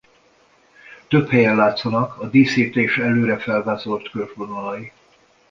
Több helyen látszanak a díszítés előre felvázolt körvonalai.